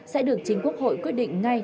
sẽ được chính quốc hội quyết định ngay